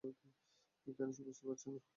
কেন সে বুঝতে পারছে না?